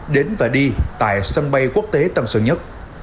đến và đi tại sân bay quốc tế tân sơn nhất